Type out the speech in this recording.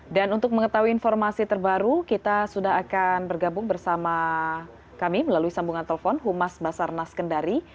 dan untuk mengetahui informasi terbaru kita sudah akan bergabung bersama kami melalui sambungan telpon humas basar nas kendari